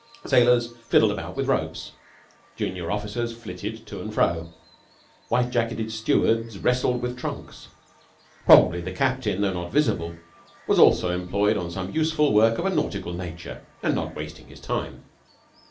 Sailors fiddled about with ropes. Junior officers flitted to and fro. White jacketed stewards wrestled with trunks. Probably the captain, though not visible, was also employed on some useful work of a nautical nature and not wasting his time.